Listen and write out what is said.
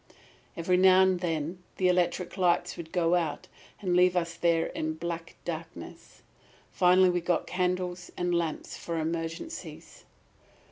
"Every now and then the electric lights would go out and leave us there in black darkness. Finally we got candles and lamps for emergencies.